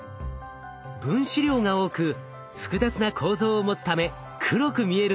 分子量が多く複雑な構造を持つため黒く見えるんです。